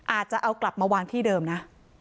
อาจจะเอากลับมาวางที่เดิมนะ